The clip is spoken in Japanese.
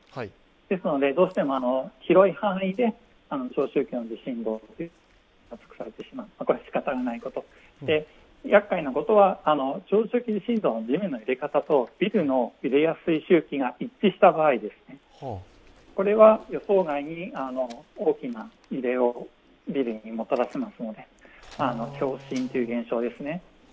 ですのでどうしても広い範囲で長周期の地震動が観測されてしまうのはしかたないこと、やっかいなことは、長周期地震動の地面の揺れ方とビルの揺れやすい周期が一致した場合、これは予想外に大きな揺れをもたらします長周期地震動ですね